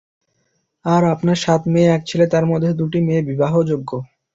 আর, আপনার সাত মেয়ে, এক ছেলে, তার মধ্যে দুটি মেয়ে বিবাহযোগ্যা।